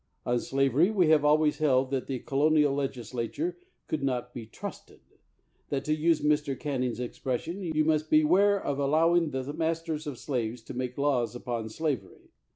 On slavery we have always held that the colonial legislature could not be ti'usted: that, to use Mr. Canning's expression, you must beware of allowing the masters of slaves to make laws upon slavery.